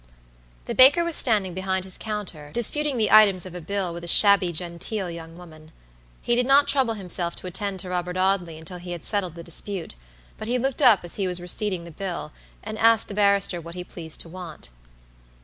The baker was standing behind his counter, disputing the items of a bill with a shabby genteel young woman. He did not trouble himself to attend to Robert Audley until he had settled the dispute, but he looked up as he was receipting the bill, and asked the barrister what he pleased to want.